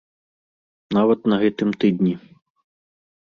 Нават на гэтым тыдні.